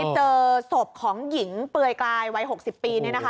เจอศพของหญิงเปลือยกลายวัย๖๐ปี